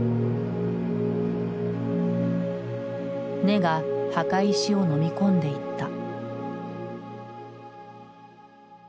根が墓石をのみ込んでいった。